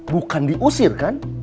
bukan diusir kan